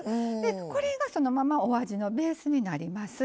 これがそのままお味のベースになります。